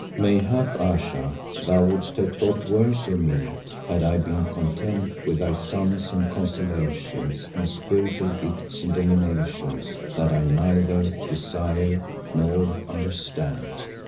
"Mayhap, Ayesha, thou wouldest have thought worse of me had I been content with thy suns and constellations and spiritual gifts and dominations that I neither desire nor understand.